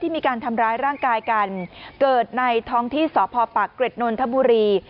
มีการทำร้ายร่างกายกันเกิดในท้องที่สพปากเกร็ดนนทบุรี